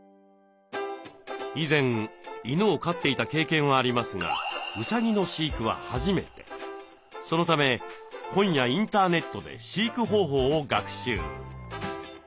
以前犬を飼っていた経験はありますがそのため本やインターネットで飼育方法を学習。